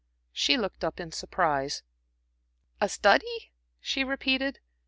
She looked up in surprise. "A a study," she repeated.